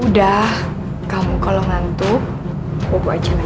udah kamu kalau ngantuk bubuk aja lagi